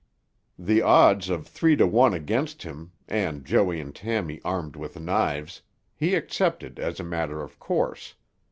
The odds of three to one against him, and Joey and Tammy armed with knives, he accepted as a matter of course.